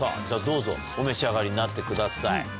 じゃあどうぞお召し上がりになってください。